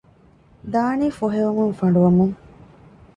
ދާނީ ފޮހެވެމުން ފަނޑުވަމުން